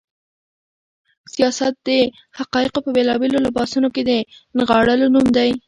سياست د حقايقو په بېلابېلو لباسونو کې د نغاړلو نوم دی.